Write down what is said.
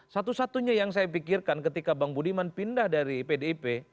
satu satunya yang saya pikirkan ketika bang budiman pindah dari pdip